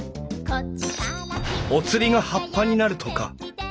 お釣りが葉っぱになるとか？